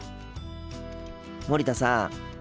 森田さん。